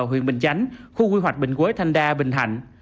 huyện bình chánh khu quy hoạch bình quế thanh đa bình hạnh